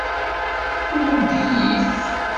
Tmudd-iyi-t.